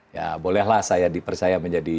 ya bolehlah saya dipercaya menjadi